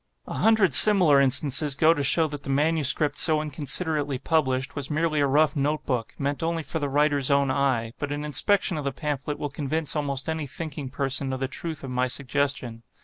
A hundred similar instances go to show that the MS. so inconsiderately published, was merely a rough note book, meant only for the writer's own eye, but an inspection of the pamphlet will convince almost any thinking person of the truth of my suggestion.